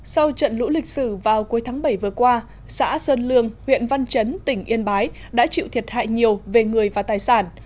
sau trận lũ lịch sử vào cuối tháng bảy vừa qua xã sơn lương huyện văn chấn tỉnh yên bái đã chịu thiệt hại nhiều về người và tài sản